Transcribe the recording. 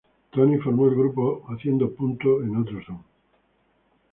Tony formó el grupo Haciendo Punto En Otro Son.